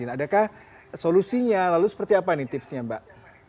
adakah solusinya lalu seperti apa nih tipsnya mbak